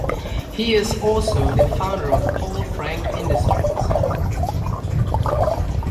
He is also the founder of Paul Frank Industries.